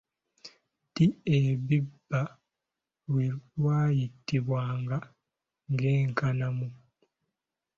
Ddi ebbiba lwe lyayitibwanga ng’enkanamu?